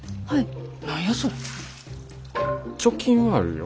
はい。